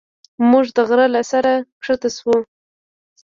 موږ د غره له سره ښکته شوو.